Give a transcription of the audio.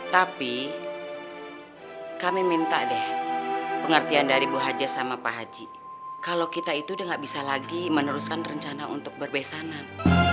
tapi kami minta deh pengertian dari bu haja sama pak haji kalau kita itu udah gak bisa lagi meneruskan rencana untuk berbesanan